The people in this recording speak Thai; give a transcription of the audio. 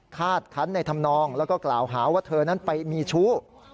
คาดคันในธรรมนองแล้วก็กล่าวหาว่าเธอนั้นไปมีชู้